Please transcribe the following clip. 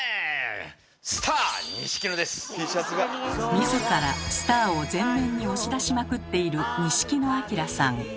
自らスターを前面に押し出しまくっている錦野旦さん。